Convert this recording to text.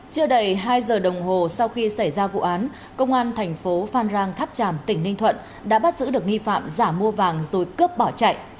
chưa đầy hai giờ đồng hồ sau khi xảy ra vụ án công an thành phố phan rang tháp tràm tỉnh ninh thuận đã bắt giữ được nghi phạm giả mua vàng rồi cướp bỏ chạy